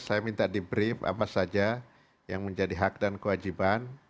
saya minta di brief apa saja yang menjadi hak dan kewajiban